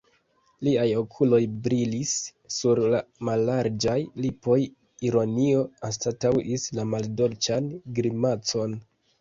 Liaj okuloj brilis, sur la mallarĝaj lipoj ironio anstataŭis la maldolĉan grimacon.